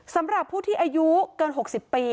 สำหรับผู้ที่อายุเกิน๖๐ปี